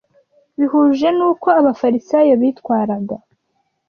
bihuje n’uko Abafarisayo bitwaraga?